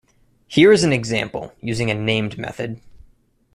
Here is an example using a named method.